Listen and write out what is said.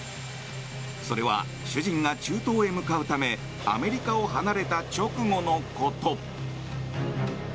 それは、主人が中東へ向かうためアメリカを離れた直後のこと。